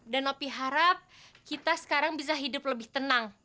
dan opi harap kita sekarang bisa hidup lebih tenang